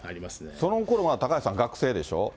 そのころ、高橋さんは学生でしょ？